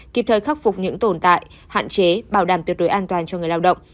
kịp thời khắc phục những tồn tại hạn chế bảo đảm tuyệt đối an toàn cho người lao động